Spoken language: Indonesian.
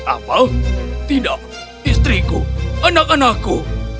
apa tidak istriku anak anakku